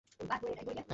বড়ো বাড়াবাড়ি করিতেছ।